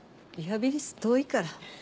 リハビリ室遠いから。